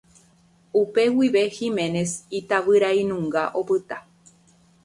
Upe guive Giménez itavyrainunga opyta.